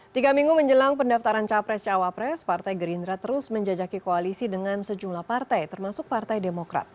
tiga minggu menjelang pendaftaran capres cawapres partai gerindra terus menjajaki koalisi dengan sejumlah partai termasuk partai demokrat